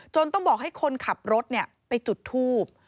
ต้องบอกให้คนขับรถไปจุดทูบ